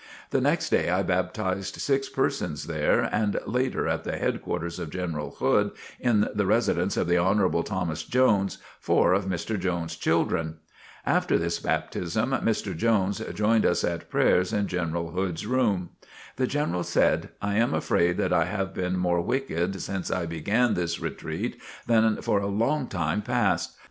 The next day I baptized six persons there, and later at the headquarters of General Hood, in the residence of the Honorable Thomas Jones, four of Mr. Jones' children. After this baptism Mr. Jones joined us at prayers in General Hood's room. The General said, "I am afraid that I have been more wicked since I began this retreat than for a long time past.